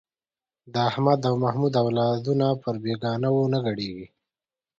د احمد او محمود اولادونه پر بېګانو نه ګډېږي.